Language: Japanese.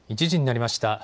１時になりました。